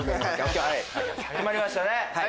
決まりましたね！